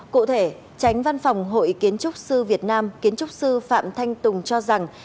cụ thể tránh văn phòng hội kiến trúc sư việt nam kiến trúc sư phạm thanh tùng cho rằng